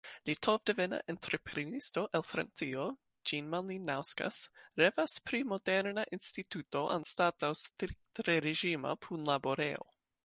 Litovdevena entreprenisto el Francio, Jean Malinauskas, revas pri moderna instituto anstataŭ striktreĝima punlaborejo.